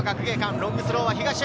ロングスローは東山。